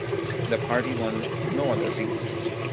The party won no other seats.